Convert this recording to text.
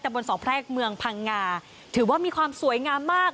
บนสองแพรกเมืองพังงาถือว่ามีความสวยงามมาก